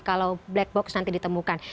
kalau black box nanti ditemukan